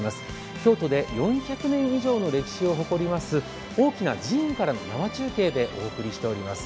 京都で４００年以上の歴史を誇ります大きな寺院から生中継でお送りしております。